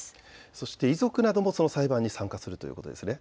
そして遺族などもその裁判に参加するということですね。